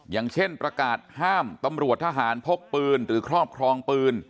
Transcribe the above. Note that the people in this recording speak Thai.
อย่างเช่นประกาศห้ามตำรวจทหารพกปืนหรือครอบครองปืน